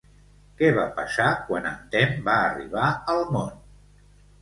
Què va passar quan en Temme va arribar al món?